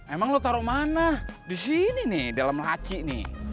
emang lo taruh mana di sini nih dalam laci nih